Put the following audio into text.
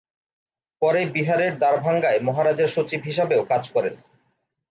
পরে বিহারের দ্বারভাঙ্গায় মহারাজের সচিব হিসাবেও কাজ করেন।